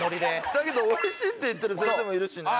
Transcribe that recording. だけどオイシいって言ってる人もいるしね。